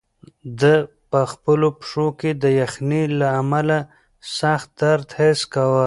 ده په خپلو پښو کې د یخنۍ له امله سخت درد حس کاوه.